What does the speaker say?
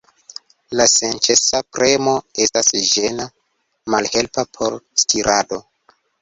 La senĉesa premo estas ĝena, malhelpa por stirado.